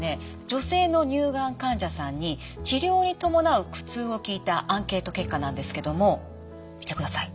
女性の乳がん患者さんに治療に伴う苦痛を聞いたアンケート結果なんですけども見てください。